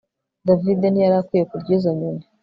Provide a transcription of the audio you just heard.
David ntiyari akwiye kurya izo nyoni